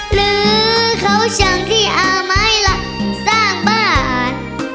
หรือเขาช่างที่อาไม้สร้างบ้าน